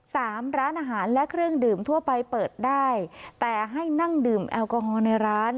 ร้านอาหารและเครื่องดื่มทั่วไปเปิดได้แต่ให้นั่งดื่มแอลกอฮอลในร้าน